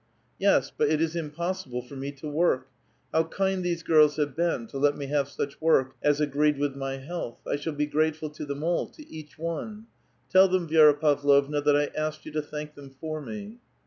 '*Yos; but it is impossible for me to work. How kind these girls have been, to let me have such work as agreed with my health. I shall be grateful to them all, to each one. Tell them, Vi^ra Pavlovna, that I asked you to thank them for me.